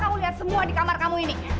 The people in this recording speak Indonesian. aku lihat semua di kamar kamu ini